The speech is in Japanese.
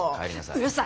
うるさい！